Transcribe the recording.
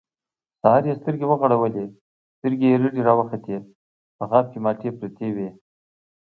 سهار يې سترګې ورغړولې، سترګې يې رډې راوختې، په غاب کې مالټې پرتې وې.